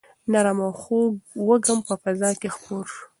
نرم او خوږ وږم په فضا کې خپور شو.